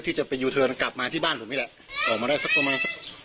สิบล้อผมไม่เห็นครับตรงนั้นมันมืดด้วยมืดมากตรงนั้น